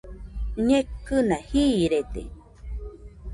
Ñekɨna jiiride